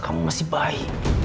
kamu masih bayi